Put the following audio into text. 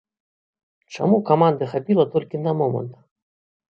Чаму каманды хапіла толькі на момант?